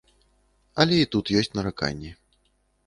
Але і тут ёсць нараканні.